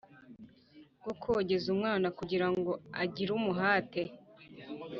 Bwo kogeza umwana kugirango agire umuhate